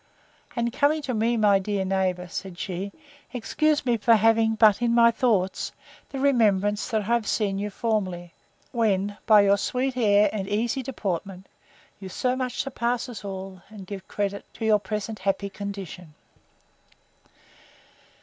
—And, coming to me, My dear neighbour, said she, excuse me for having but in my thought, the remembrance that I have seen you formerly, when, by your sweet air and easy deportment, you so much surpass us all, and give credit to your present happy condition.